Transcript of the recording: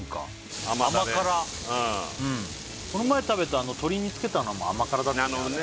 この前食べた鶏につけたのも甘辛だったよね